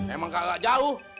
emang kakak jauh